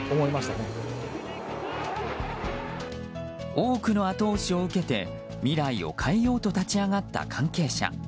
多くの後押しを受けて未来を変えようと立ち上がった関係者。